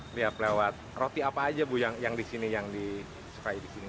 setiap lewat roti apa aja bu yang disini yang disukai disini